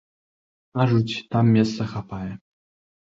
Кажуць, там месца хапае.